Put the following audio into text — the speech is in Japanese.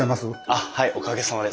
あっはいおかげさまで。